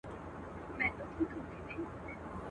نندارې ته د څپو او د موجونو.